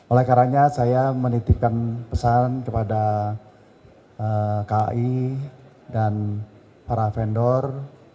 oleh karanya saya menitipkan pesan kepada kai dan para vendor